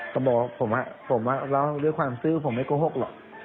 ก็บอกว่าผมแล้วด้วยความซื่อผมไม่โกหกหรอก